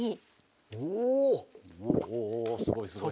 おお！おすごいすごい。